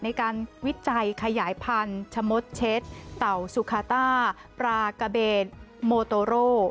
วิจัยขยายพันธุ์ชะมดเช็ดเต่าสุคาต้าปลากะเบนโมโตโร่